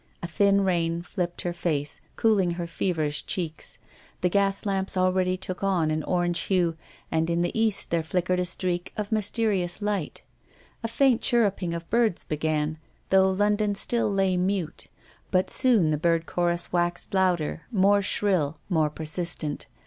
A thin rain flipped her face, cooling her feverish cheeks. The gas lamps took on an orange hue, and in the east there flickered a streak of mysterious light. A faint chirrup ing of birds began, though London still lay mute, but soon the bird chorus waxed louder, more shrill, more persistent.